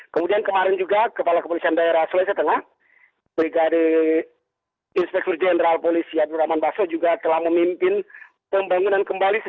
kemudian kemarin juga kepala kepolisian daerah sulawesi tengah brigade inspektur jenderal polisi adul rahman basso juga telah memimpin pembangunan kembangannya